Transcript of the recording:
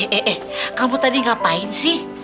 eh eh kamu tadi ngapain sih